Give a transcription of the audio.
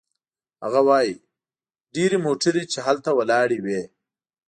هغه وايي: "ډېرې موټرې چې هلته ولاړې وې